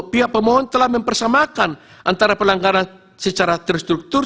pihak pemohon telah mempersamakan antara pelanggaran secara terstruktur